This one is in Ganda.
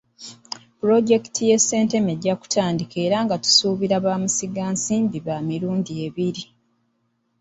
Pulojekiti y’e Ssentema ejja kutandika era nga tusuubira bamusigansimbi ba mirundi ebiri.